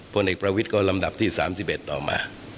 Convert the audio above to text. พลเอกประวิทย์ก็ลำดับที่๓๑ต่อมา